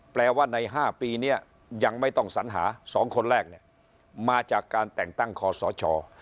แปลว่าใน๕ปีนี้ยังไม่ต้องสัญหา๒คนแรกเนี่ยมาจากการแต่งตั้งคอสช